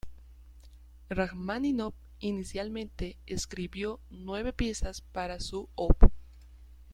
Rajmáninov inicialmente escribió nueve piezas para su Op.